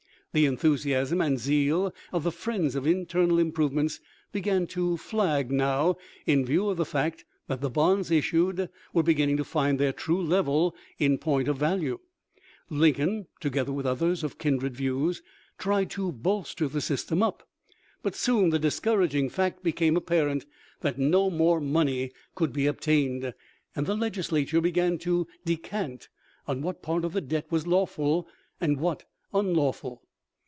The enthusiasm and zeal of the friends of internal im provements began to flag now in view of the fact that the bonds issued were beginning to find their true level in point of value. Lincoln, together with others of kindred views, tried to bolster the " sys tem " up ; but soon the discouraging fact became 13 194 THE LIFE OF LINCOLN. apparent that no more money could be obtained, and the Legislature began to descant on what part of the debt was lawful and what unlawful.